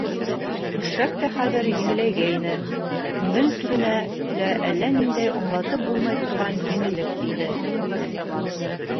Көршәк тә хәҙер еңеләйгәйне, күңел түренә лә әллә ниндәй аңлатып булмай торған еңеллек килде.